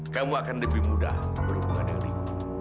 kamu akan lebih mudah berhubungan dengan riku